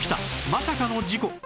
まさかの事故